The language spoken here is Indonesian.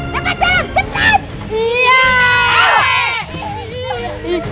cepat jalan cepat